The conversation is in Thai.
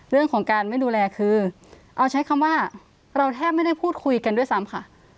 เรื่องของการไม่ดูแลคือเอาใช้คำว่าเราแทบไม่ได้พูดคุยกันด้วยซ้ำค่ะ